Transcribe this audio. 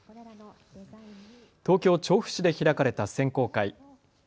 東京調布市で開かれた選考会。